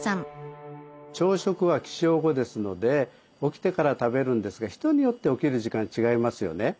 朝食は起床後ですので起きてから食べるんですが人によって起きる時間違いますよね。